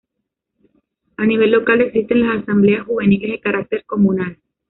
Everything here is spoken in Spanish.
A nivel local existen las Asambleas Juveniles de carácter Comunal.